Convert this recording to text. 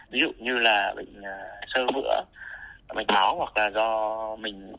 ví dụ như là bệnh sơ vữa bệnh báo hoặc là do mình